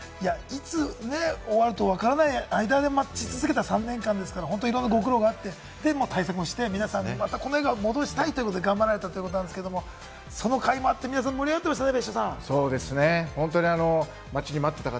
いつ終わるかわからない間で待ち続けた３年間ですから、いろんなご苦労があって、対策もして、皆さんの笑顔を戻したいということで頑張られたということですけれども、そのかいもあって、皆さん、盛り上がってましたね、別所さん。